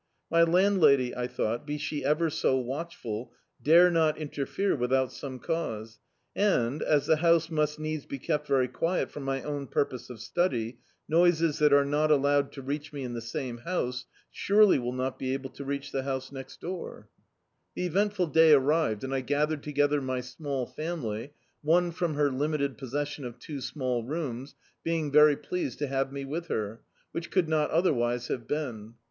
My landlady, I thou^t, be she ever so watchful, dare not interfere without s<Hne cause; and, as the house must needs be kept very quiet for my own purpose of study, noises that are not allowed to reach me in the same house, surely will not be able to reach the house next door. Dictzed by Google A House to Let The eventful day arrived, and I gathered tc^ther my small family, one from her limited possesion of two small loomSt being very pleased to have me with her, which could not otherwise have been.